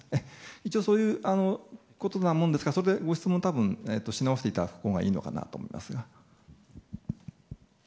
一応そういうことなものですからご質問をし直していただいたほうがいいのかなと思います。